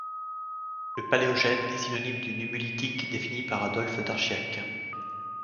Le Paléogène est synonyme du Nummulitique défini par Adolphe d'Archiac.